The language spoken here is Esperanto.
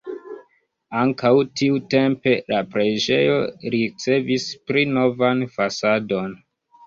Ankaŭ tiutempe la preĝejo ricevis pli novan fasadon.